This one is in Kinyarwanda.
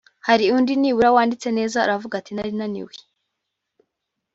Hari undi nibura wanditse neza aravuga ati nari naniwe